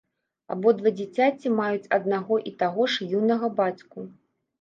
Абодва дзіцяці маюць аднаго і таго ж юнага бацьку.